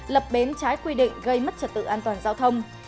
lập bến trái quy định gây mất trật tự an toàn giao thông